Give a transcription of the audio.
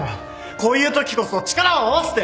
こういうときこそ力を合わせて